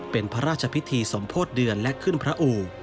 เป็นพระราชพิธีสมโพธิเดือนและขึ้นพระอู่